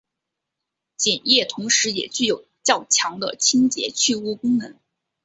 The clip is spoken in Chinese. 碱液同时也具有较强的清洁去污功能。